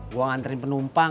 gue nganterin penumpang